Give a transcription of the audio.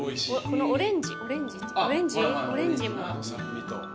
このオレンジオレンジ？酸味と。